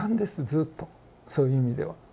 ずっとそういう意味では。